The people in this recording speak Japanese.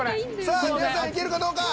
さあ皆さんいけるかどうか。